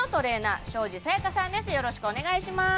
よろしくお願いします